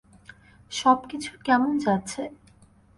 সবকিছু কেমন যাচ্ছে?